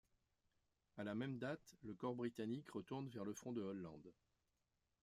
À la même date, le corps britannique retourne vers le front de Hollande.